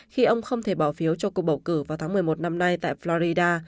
khi ông không thể bỏ phiếu cho cuộc bầu cử vào tháng một mươi một năm nay tại florida